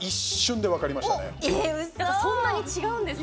だからそんなに違うんですよ。